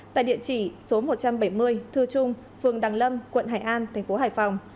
tại địa chỉ số một trăm bảy mươi thư trung phường đằng lâm quận hải an tp hải phòng